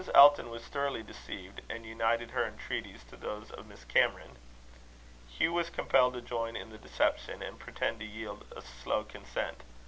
Elton was thoroughly deceived, and united her entreaties to those of Miss Cameron. Hugh was compelled to join in the deception, and pretend to yield a slow consent.